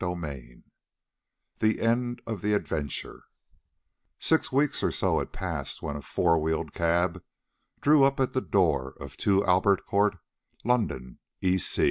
ENVOI THE END OF THE ADVENTURE Six weeks or so had passed when a four wheeled cab drew up at the door of 2 Albert Court, London, E.